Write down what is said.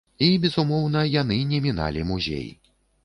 І, безумоўна, яны не міналі музей.